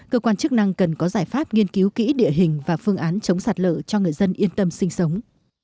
cơ quan chức năng cần có giải pháp nghiên cứu kỹ địa hình và phương án chống sạt lở cho người dân yên tâm sinh sống